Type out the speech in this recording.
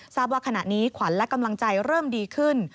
ว่าขณะนี้ขวัญและกำลังใจเริ่มดีขึ้น